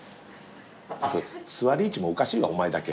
座り位置もおかしいわお前だけ。